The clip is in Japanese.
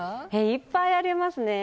いっぱいありますね。